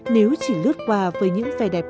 nếu chỉ lướt qua với những vẻ đẹp